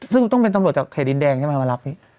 ซึ่งต้องเป็นตำรวจจากเขตดินแดงใช่ไหมมารับพี่